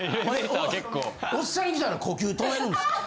おっさん来たら呼吸止めるんですか？